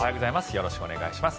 よろしくお願いします。